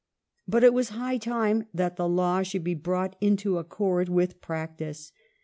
But it was high time that the law should be brought into accord with practice.